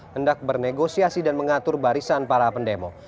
hendak bernegosiasi dan mengatur barisan para pendemo